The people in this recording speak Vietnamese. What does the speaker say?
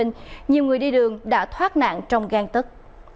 nhiều người đi đường đã thoát nạn trong găng tức